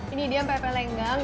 ini dia pempe lenggang